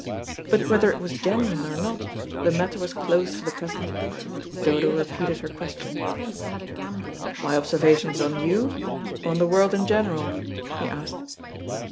But whether it was genuine or not, the matter was closed for the present. Dodo repeated her question. "My observations on you, or on the world in general?" he asked.